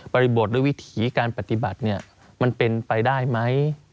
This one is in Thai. บริบทด้วยวิถีการปฏิบัติมันเป็นไปได้ไหม